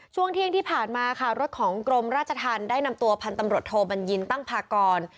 ช่วงเที่ยงที่ผ่านมาค่ะรถของกรมราชธรรมได้นำตัวพันธุ์ตำรวจโทบัญญินตั้งพากร